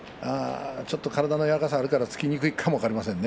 ちょっと体の柔らかさがあるから突きにくいかも分かりませんね。